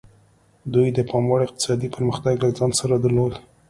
دوی د پاموړ اقتصادي پرمختګ له ځان سره درلود.